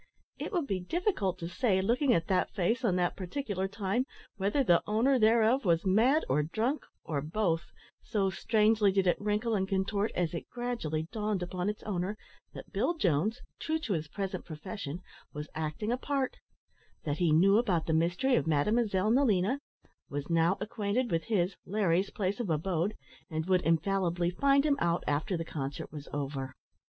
It would be difficult to say, looking at that face at that particular time, whether the owner thereof was mad or drunk or both so strangely did it wrinkle and contort as it gradually dawned upon its owner that Bill Jones, true to his present profession, was acting a part; that he knew about the mystery of Mademoiselle Nelina; was now acquainted with his, (Larry's), place of abode; and would infallibly find him out after the concert was over.